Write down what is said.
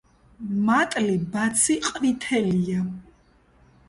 მატლი ბაცი ყვითელია.